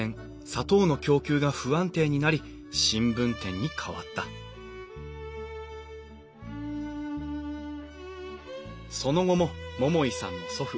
砂糖の供給が不安定になり新聞店に変わったその後も桃井さんの祖父